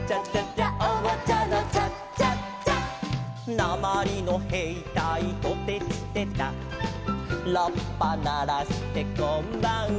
「なまりのへいたいトテチテタ」「ラッパならしてこんばんは」